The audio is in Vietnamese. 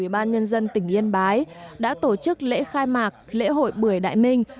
ủy ban nhân dân tỉnh yên bái đã tổ chức lễ khai mạc lễ hội bưởi đại minh